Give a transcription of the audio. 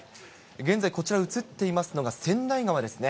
現在、こちら映っていますのは、川内川ですね。